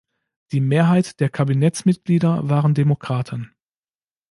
Die Mehrheit der Kabinettsmitglieder waren Demokraten.